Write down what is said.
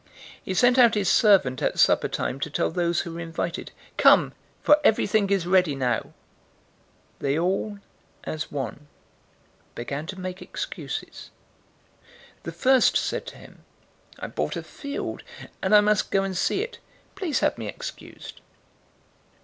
014:017 He sent out his servant at supper time to tell those who were invited, 'Come, for everything is ready now.' 014:018 They all as one began to make excuses. "The first said to him, 'I have bought a field, and I must go and see it. Please have me excused.'